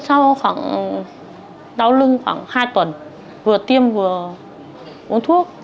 sau khoảng đau lưng khoảng hai tuần vừa tiêm vừa uống thuốc